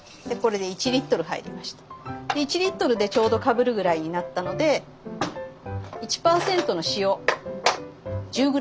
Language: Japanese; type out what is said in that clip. で１リットルでちょうどかぶるぐらいになったので１％の塩１０ｇ。